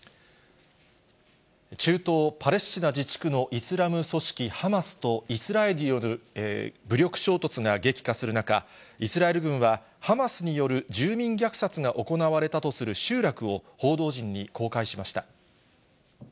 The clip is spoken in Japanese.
中東パレスチナ自治区のイスラム組織ハマスとイスラエルによる武力衝突が激化する中、イスラエル軍は、ハマスによる住民虐殺が行われたとする集落を報道陣に公開しました。